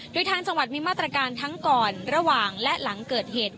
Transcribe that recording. โดยทางจังหวัดมีมาตรการทั้งก่อนระหว่างและหลังเกิดเหตุ